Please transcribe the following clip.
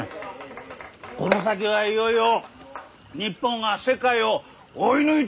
この先はいよいよ日本が世界を追い抜いていく番じゃき！